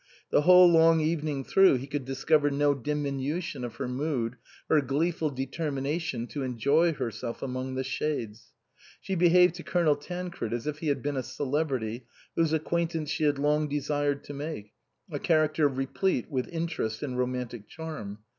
The whole long evening through he could discover no diminution of her mood, her gleeful determination to enjoy herself among the shades. She behaved to Colonel Tancred as if he had been a celebrity whose acquaintance she had long desired to make, a character replete with interest and romantic charm.